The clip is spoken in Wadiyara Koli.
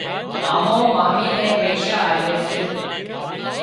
مامو مامي نين پئيشا آلي سي